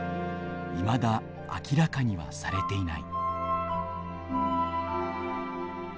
いまだ明らかにはされていない。